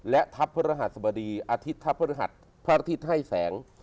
และทัพพระรหัสบดีอาทิตย์ทัพพฤหัสพระอาทิตย์ให้แสง